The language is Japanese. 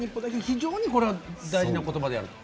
非常にこれは大事な言葉であると。